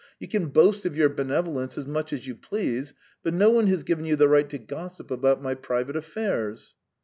You can boast of your benevolence as much as you please, but no one has given you the right to gossip about my private affairs!"